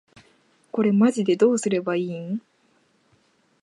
これマジでどうすれば良いん？